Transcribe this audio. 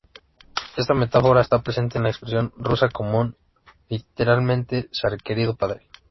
Esta metáfora está presente en la expresión rusa común "царь-батюшка", literalmente "zar-querido padre".